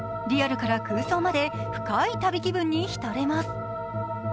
リアルから空想まで深い旅気分にひたれます。